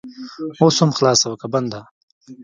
اوس هم خلاصه او که بنده؟